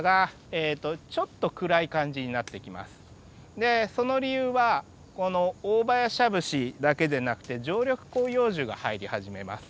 でその理由はこのオオバヤシャブシだけでなくて常緑広葉樹が入り始めます。